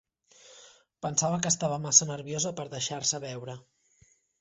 Pensava que estava massa nerviosa per deixar-se veure.